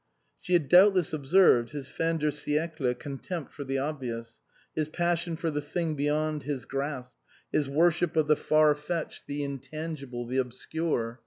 She had doubtless observed his fin de sibcle con tempt for the obvious, his passion for the thing beyond his grasp, his worship of the far fetched, 90 INLAND the intangible, the obscure.